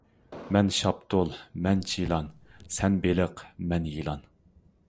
سەن شاپتۇل، مەن چىلان، سەن بېلىق، مەن يىلان.